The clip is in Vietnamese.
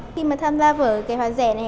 khi mà tham gia với cái hoa rẻ này